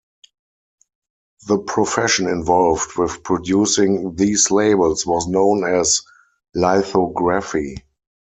The profession involved with producing these labels was known as lithography.